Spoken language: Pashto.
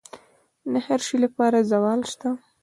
د هر شي لپاره زوال شته،